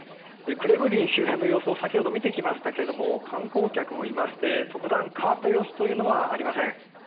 クレムリン周辺の様子を先ほど見てきましたけども観光客もいまして特段変わった様子はありません。